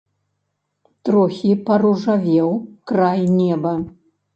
Трохі паружавеў край неба.